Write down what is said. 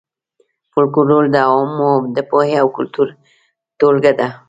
فولکلور د عوامو د پوهې او کلتور ټولګه ده